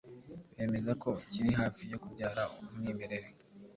bemeza ko kiri hafi yo kubyara umwimerere